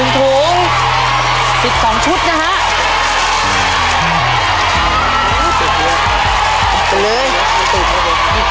ครับ